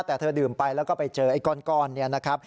แต่เธอดื่มไปแล้วก็ไปเจอไอ้ก้อนนี้นะครับ